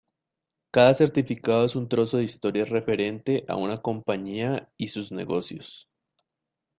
Cada certificado es un trozo de historia referente a una compañía y sus negocios.